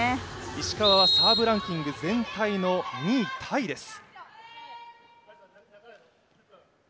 石川はサーブランキング、全体の２位タイです。